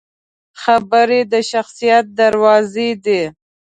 خبرې د شخصیت دروازې دي